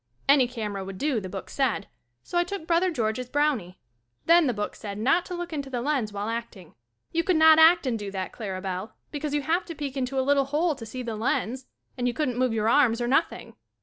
Any camera would do, the book said, so I took brother George's Brownie. Then the book said not to look into the lens while acting. You could not act and do that, Clara Bell, because you have to peek into a little hole to see the lens and you couldn't move your arms or nothing.